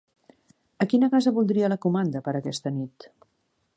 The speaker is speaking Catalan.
A quina casa voldria la comanda per aquesta nit?